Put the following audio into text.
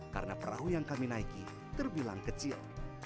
karena perahu yang kami naiki terbilang kecil